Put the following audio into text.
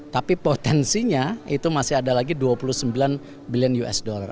tapi potensinya itu masih ada lagi dua puluh sembilan bilion us dollar